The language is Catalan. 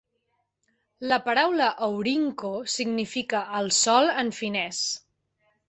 La paraula "Aurinko" significa "El Sol" en finès.